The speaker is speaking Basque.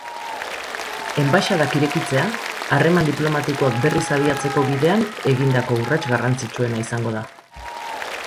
Enbaxadak irekitzea harreman diplomatikoak berriz abiatzeko bidean egindako urrats garrantzitsuena izango da.